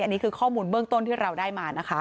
อันนี้คือข้อมูลเบื้องต้นที่เราได้มานะคะ